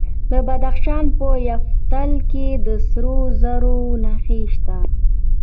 د بدخشان په یفتل کې د سرو زرو نښې شته.